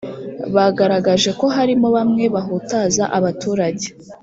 bagaragaje ko harimo bamwe bahutaza abaturage